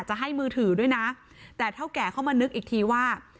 จะให้มือถือด้วยนะแต่เท่าแก่เข้ามานึกอีกทีว่า